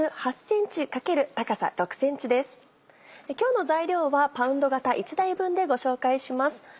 今日の材料はパウンド型１台分でご紹介します。